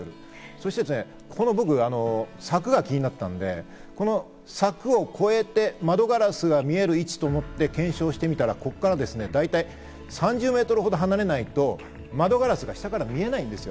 そして柵が気になったのでこの柵を越えて窓ガラスが見える位置と思って検証してみたら、ここから大体３０ｍほど離れないと窓ガラスが下から見えないんですよ。